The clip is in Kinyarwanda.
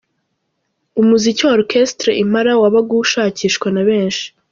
Umuziki wa Orchestre Impala wabaga ushakishwa na benshi.